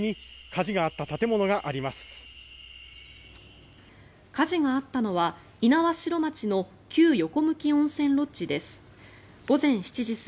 火事があったのは猪苗代町の旧横向温泉ロッジです。